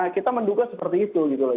kita menduga seperti itu gitu loh